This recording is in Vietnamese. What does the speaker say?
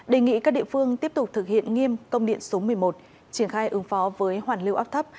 đề nghị các địa phương tiếp tục thực hiện nghiêm công điện số một mươi một triển khai ứng phó với hoàn lưu áp thấp